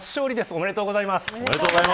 おめでとうございます。